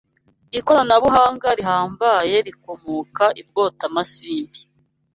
Ikoranabuhanga rihambaye rikomoka i Bwotamasimbi.